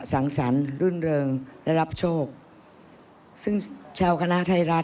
ทั้งอ่านทั้งดูคู่กันตลอดไป